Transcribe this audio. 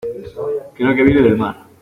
creo que viene del mar.